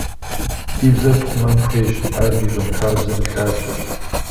Ди бзэр тхъумэн хуейщ, ар ди щэнхабзэм и лъабжьэщ.